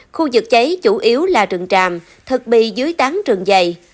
khu vực cháy chủ yếu là rừng tràm thực bị dưới tán rừng dày